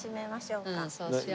うんそうしよう。